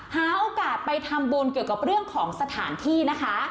หาโอกาสไปทำบุญเกี่ยวกับเรื่องของสถานที่นะคะ